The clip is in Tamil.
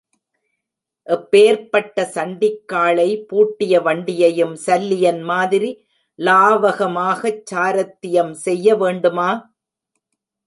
எப்பேர்ப்பட்ட சண்டிக்காளை பூட்டிய வண்டியையும் சல்லியன் மாதிரி லாவகமாய்ச் சாரத்தியம் செய்ய வேண்டுமா?